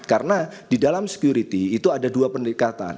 karena di dalam security itu ada dua penerikatan